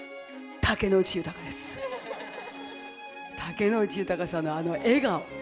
竹野内豊さんのあの笑顔。